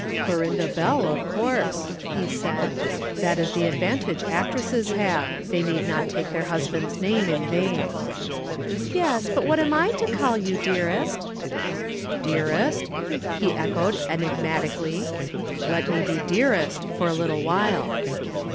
"Clorinda Bell, of course," he said. "That is the advantage actresses have. They need not take their husband's name in vain." "Yes, but what am I to call you, dearest?" "Dearest?" he echoed enigmatically. "Let me be dearest for a little while."